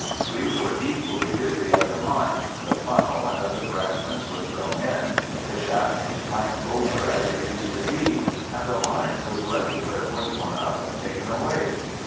We were equally busy at the mine. The funnel and other fragments were thrown in, the shaft was planked over as it used to be, and the lines which led to it were torn up and taken away.